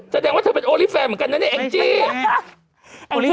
ถ้าแด่งว่าเธอเป็นโอรี่แฟนเหมือนกันน่ะตอนเนี้ยอันนี้เองจิ